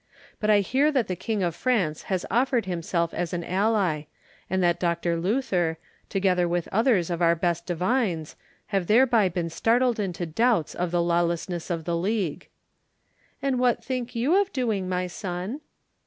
But I hear that the King of France has offered himself as an ally, and that Dr. Luther, together with others of our best divines, have thereby been startled into doubts of the lawfulness of the League." "And what think you of doing, my son?"